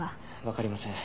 わかりません。